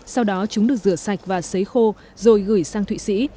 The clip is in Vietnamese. sau đó chúng được rửa sạch và xấy khô rồi gửi sang thụy sĩ